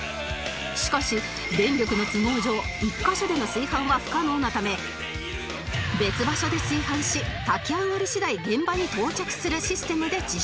しかし電力の都合上１カ所での炊飯は不可能なため別場所で炊飯し炊き上がり次第現場に到着するシステムで実施